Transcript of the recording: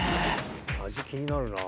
味気になるなあ。